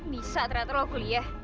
bisa ternyata lo kuliah